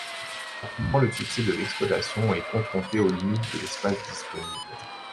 Rapidement le succès de l'exploitation est confronté aux limites de l'espace disponible.